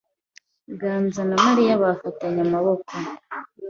Ganza na Mariya bafatanye amaboko.